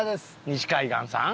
西海岸さん？